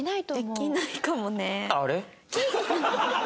できないかもね。